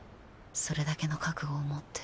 それだけの覚悟を持ってる。